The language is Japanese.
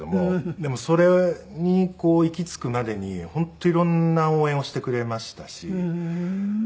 でもそれに行き着くまでに本当色んな応援をしてくれましたし。